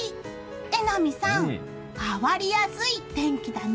榎並さん、変わりやすい天気だね。